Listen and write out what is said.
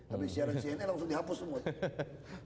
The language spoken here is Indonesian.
habis siaran cnn langsung dihapus semuanya